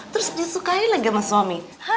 terus disukai lagi sama suami